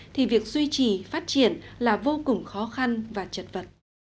thì việc duy trì phát triển là vô cùng khó khăn và chật vật